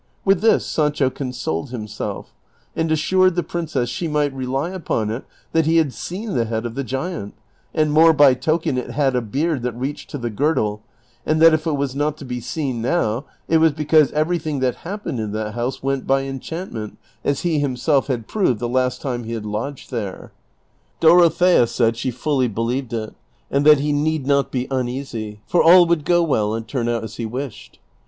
With this Sancho consoled himself, and assured the princess she might rely upon it that he had seen the head of the giant, and more by token it had a beard that reached to the girdle, and that if it 'was not to be seen now it was because everything that happened in that house went by enchantment, as he himself 1 Quartillo — tlie fourth of a real. 304 DON QUIXOTE. had proved the last time he had lodged there. Dorothea said she fully believed it, and that he need not be uneasy, for all would go well and turn out as he wished.